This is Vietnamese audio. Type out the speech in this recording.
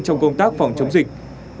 trong công tác phòng chống dịch